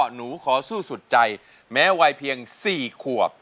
หนูขอสู้สุดใจแม้วัยเพียง๔ขวบ